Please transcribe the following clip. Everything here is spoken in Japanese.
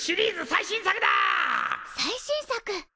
最新作？